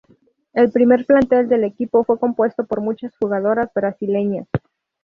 El primer plantel del equipo fue compuesto por muchas jugadoras brasileñas.